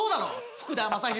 福田正博